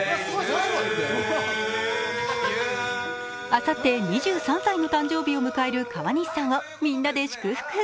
あさって２３歳の誕生日を迎える川西さんをみんなで祝福。